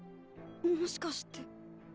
もしかして。